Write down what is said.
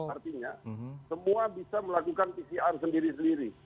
artinya semua bisa melakukan pcr sendiri sendiri